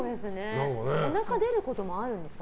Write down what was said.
おなかが出ることもあるんですか？